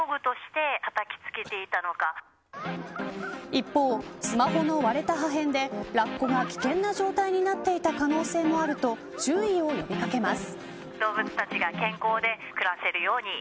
一方、スマホの割れた破片でラッコが危険な状態になっていた可能性もあると注意を呼び掛けます。